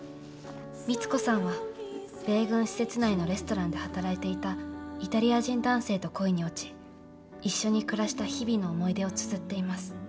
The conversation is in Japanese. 光子さんは米軍施設内のレストランで働いていたイタリア人男性と恋に落ち一緒に暮らした日々の思い出をつづっています。